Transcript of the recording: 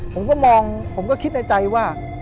ผมก็มองผมก็คิดในใจว่า